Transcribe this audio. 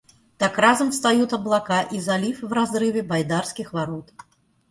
Так разом встают облака и залив в разрыве Байдарских ворот.